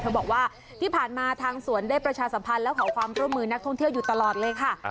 บอกว่าที่ผ่านมาทางสวนได้ประชาสัมพันธ์และขอความร่วมมือนักท่องเที่ยวอยู่ตลอดเลยค่ะ